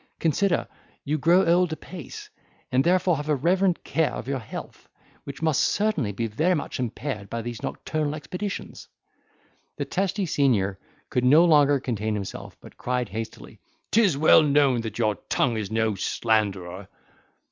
Consider, you grow old apace; and, therefore, have a reverend care of your health, which must certainly be very much impaired by these nocturnal expeditions." The testy senior could no longer contain himself, but cried hastily, "'Tis well known that your tongue is no slanderer."